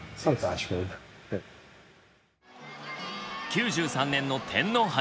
９３年の天皇杯。